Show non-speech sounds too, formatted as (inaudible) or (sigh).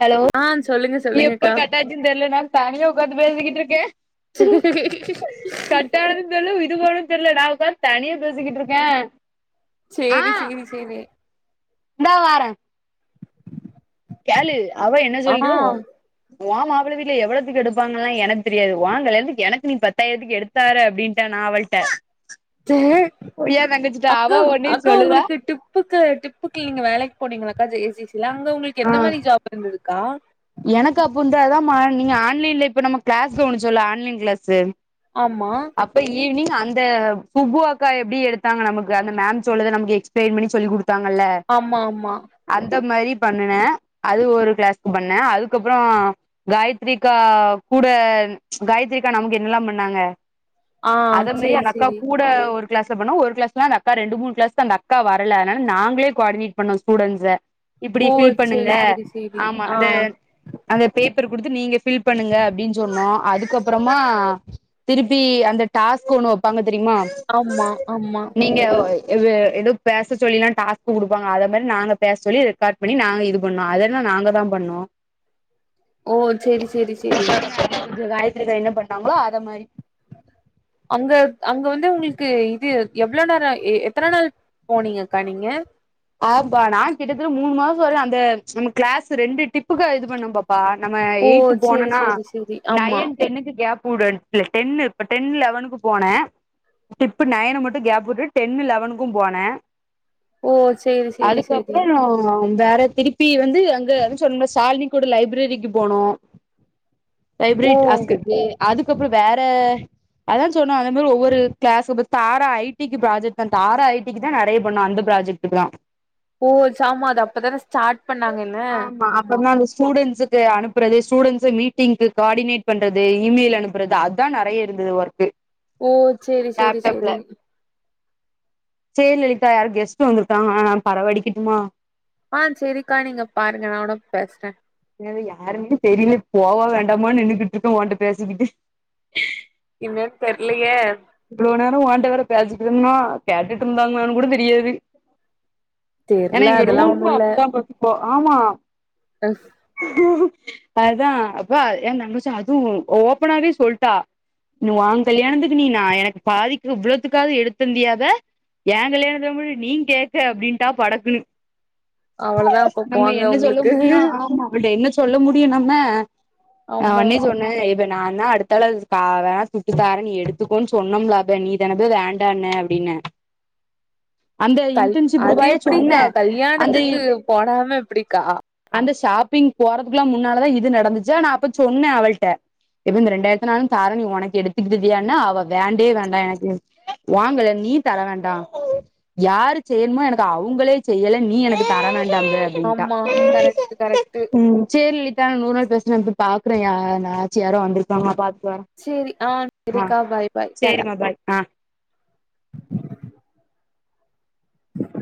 hello ஆ சொல்லுங்க நீ எப்ப சொல்லுங்கக்கா கட்டாச்சின்னு தெர்ல நா தனியா ஒக்காந்து பேசிக்கிட்டுருக்கே (inaudible) கட்டானது தெர்ல இது போனது தெர்ல நா ஒக்காந்து தனியா பேசிக்கிட்ருக்கே சேரி சேரி சேரி இந்தா வாரே கேளு அவ என்ன ஆ சொல்லுறா ஒ மாப்பள வீட்ல எவ்ளத்துக்கு எடுப்பாங்கன்லா எனக்கு தெரியாது ஒ கல்யாணத்துக்கு எனக்கு நீ பத்தாயிரத்துக்கு எடுத்து தர அப்படின்ட்ட நா அவள்ட சே எ தங்கச்சிகிட்ட அவ அக்கா ஒட்னே அக்கா சொல்லுதா உங்களுக்கு டிப்புக்கு டிப்புக்கு நீங்க வேலைக்கு போனீங்கலக்கா ஜெசிசில அங்க உங்ளுக்கு ஆ எந்த மாரி ஜாப் இருந்ததுக்கா எனக்கு அப்புன்டாதா மார்னிங் ஆன்லைன்ல இப்ப நம்ம க்ளாஸ் கவனிச்சோல ஆன்லைன் க்ளாஸ்சு ஆமா இப்ப ஈவினிங் அந்த சுப்பு அக்கா எப்டி எடுத்தாங்க நமக்கு அந்த மேம் சொல்றத நமக்கு எக்ஸ்ப்ளைன் பண்ணி சொல்லி குடுத் ப்பாங்கல்ல ஆமா ஆமா அந்த மாரி பண்னுனே அது ஒரு க்ளாஸ்க்கு பண்ணே அதுக்கப்றோ காயத்தரிக்கா கூட காயத்தரிக்கா நமக்கு என்னெல்லா பண்ணாங்க ஆ அத மேரி சேரி அந்த அக்கா சேரி கூட ஒரு க்ளாஸ்ல போனோ ஒரு க்ளாஸ்ல அந்த அக்கா ரெண்டு மூணு க்ளாஸ்க்கு அந்தக்கா வரல அதனாள நாங்களே க்வாடினேட் பண்ணோ ஸ்டுடண்ஸ்ச இப்டி ஓ ஃபில் பண்ணுங்க சேரி சேரி சேரி ஆமா ஆ அந்த அந்த பேப்பர் குடுத்து நீங்க ஃபில் பண்ணுங்க அப்டின்னு சொன்னோ அதுக்கப்பறமா திருப்பி அந்த டாஸ்க் ஒண்ணு வைப்பாங்க தெரியுமா ஆமா ஆமா நீங்க ஏதோ பேச சொல்லிலா டாஸ்க்கு குடுப்பாங்க அத மேரி நாங்க பேச சொல்லி ஸ்டார்ட் பண்ணி நாங்க இது பண்ணோ அதெல்லா நாங்க தா பண்ணோ ஓ சேரி சேரி ரேரி கொஞ்ச காயத்ரிகு என்ன பண்ணாங்களோ அத மாரி அங்க அங்க வந்து உங்களுக்கு இது எவ்ளோ நேரோ எத்தன நாள் போனீங்கக்கா நீங்க ஆம்பா நா கிட்டத்தட்ட மூணு மாசோ வரே அந்த நம்ம க்ளாஸ் ரெண்டு டிப் புக்கு இது பண்ணுன பாப்பா நம்ம ஓ எயித்து சேரி போனனா சேரி சேரி ஆமா நைன் டென்னுக்கு கேப் டென்னு இப்ப டென் லெவனுக்கு போனே டிப்பு நைன மட்டு கேப் விட்டு டென் லவனுக்கு போனே ஓ சேரி சேரி சேரி அதுக்கப்றோ ஆ வேற திருப்பி வந்து அங்க அதா சொன்னோல சால்னி கூட லைப்ரரிக்கு போனோ லைப்ரரி ஓ டாஸ்க்கிருக்கு அதுக்கப்றோ வேற அதா சொன்ன அந்த மாரி ஒவ்வொரு க்ளாஸ்க்கு தாரா ஐ டிக்கு ப்ராஜக்ட்தா தாரா ஐ டிக்கு தான் நெறைய பண்ணு அந்த ப்ராஜெக்ட் தா ஓ சாம அது அப்பதானே ஸ்டார்ட் பண்ணாங்க என்ன ஆமா ஸ்டூடெண்ஸுக்கு அனுப் ண்பறது ஸ்டுடெண்ஸ மீட்டிங்கு க்வார்டினேட் பண்றது இமெயில் அனுப்புறது அதா நெறைய இருந்தது ஒர்க்கு ஓ சேரி சேரி லேப்டாப்ல சேரி சேரி லலிதா யாரோ கெஸ்ட் வந்துருக்காங்க நா பெரவடிக்கட்டுமா ஆ செரிக்கா நீங்க பாருங்க நா உட பேசுறே ஏ அது யாருனே தெரில போவா வேண்டாமான்னு நின்னுக்கிட்டு இருக்கோ ஓன்ட்ட பேசிக்கிட்டு இன்னன்னு தெர்லையே இவ்ளோ நேரோ ஒன்ட்ட வேற பேசிட்டன்னா கேட்டுட்டு இருந்தாங்களான்னு கூட தெரியாது ஏன்னா தெர்ல இங்க அதெல்லா ரூம் ஒண்ணு அப்படித்தா கட்ருக்கு ஆமா தஸ் அதா அப்பா ஏ தங்கச்சி அதும் ஓப்பனாவே சொல்ட்டா நீ ஒ கல்யாணத்துக்கு நீ நா எனக்கு பாதிக்க இவ்ளோத்துக்காவது எடுத்தந்தியாத ஏ கல்யாணத்த மட்டு நீ கேக்க அப்டின்டா படக்குணு அவ்ளோதா அப்ப நம்ம போங்க என்ன சொல்ல உங்களுக்கு முடியு ஆமா இவள்ட என்ன சொல்ல முடியு நம்ம ஆமா அவனே சொ இப்ப நா தா அடுத்தாள கா வே சுட்டு தாரே நீ எடுத் த்துக்கோனு சொன்னோம்லப நீ தானபே வேண்டான அப்டின்னே கல் அது ரூபாய எப்டிக்கா சொன்னே அந்த கல்யாணத்துக்கு போடாம எப்டிக்கா அந்த ஷாப்பிங் போறதுக்ல்லா முன்னாலதா இது நடந்துச்சு நா அப்ப சொன்னே அவள்ட எபே இந்த ரெண்டாயிரத்த நாளு தாரே நீ ஒனக்கு எடுத்துக்கிட்டிடியானா அவ் பா வேண்டயே வேண்டா எனக்கு ஒ ங்கல நீ தர வேண்டா யாரு செய்யணுமோ எனக்கு அவுங்களே செய்யல நீ எனக்கு தர வேண்டாம்ங்க ட்டா ஆமா கரெக்ட் கரெக்ட் ம் சேர் லி த நூறு நாள் பேசுனப்ப பாக்குறே யா நாச்சியாரோ (unintelligible) பாத்துட்டு வரே சேரி ஆ சேரிக்கா பாய் பாய் டாட்டா சேரிமா பாய் ஆ